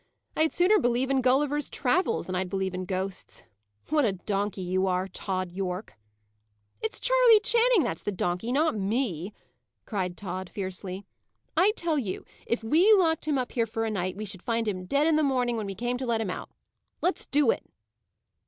"I'd sooner believe in Gulliver's travels, than I'd believe in ghosts. What a donkey you are, Tod Yorke!" "It's Charley Channing that's the donkey; not me," cried Tod, fiercely. "I tell you, if we locked him up here for a night, we should find him dead in the morning, when we came to let him out. Let's do it."